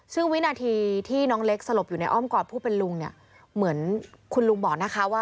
ซึ่งวินาทีที่น้องเล็กสลบอยู่ในอ้อมกอดผู้เป็นลุงเนี่ย